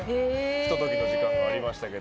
ひと時の時間がありましたけど。